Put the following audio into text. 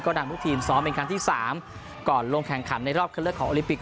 นำทุกทีมซ้อมเป็นครั้งที่๓ก่อนลงแข่งขันในรอบคันเลือกของโอลิปิก